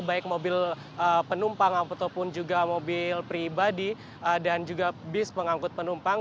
baik mobil penumpang ataupun juga mobil pribadi dan juga bis pengangkut penumpang